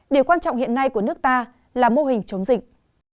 điều quan trọng hiện nay của nước ta là mô hình chống dịch